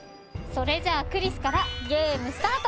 それじゃあクリスからゲームスタート！